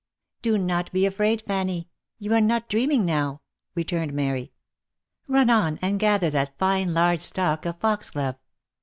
" Do not be afraid, Fanny ! You are not dreaming now," returned Mary. " Run on, and gather that fine large stalk of foxglove.